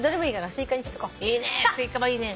スイカもいいね。